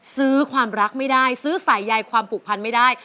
ซื้อความรักไม่ได้ซื้อสายใยความผูกพันไม่ได้